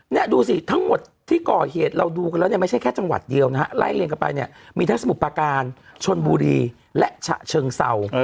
เนี่ยดูสิทั้งหมดที่ก่อเหตุเราดูกันแล้วเนี่ยไม่ใช่แค่จังหวัดเดียวนะฮะไล่เรียงกันไปเนี่ยมีทั้งสมุทรประการชนบุรีและฉะเชิงเศร้า